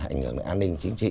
ảnh hưởng đến an ninh chính trị